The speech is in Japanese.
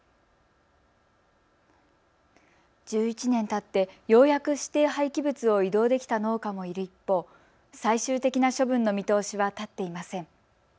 １１年たって、ようやく指定廃棄物を移動できた農家もいる一方、最終的な処分の見通しは立っていません。